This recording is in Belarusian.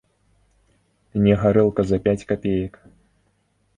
Не гарэлка за пяць капеек.